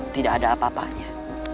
tidak ada apa apanya